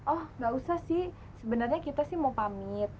oh nggak usah sih sebenarnya kita sih mau pamit